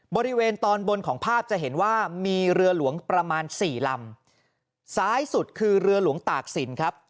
บริเวณตอนบนของภาพจะเห็นว่ามีเรือหลวงประมาณสี่ลำซ้ายสุดคือเรือหลวงตากศิลป์ครับ